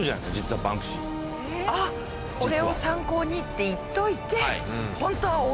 あっ「俺を参考に」って言っといてホントは俺？